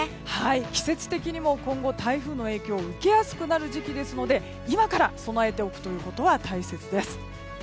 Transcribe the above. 季節的にも今後台風の影響を受けやすくなる時期ですので今から備えておくということは大切です。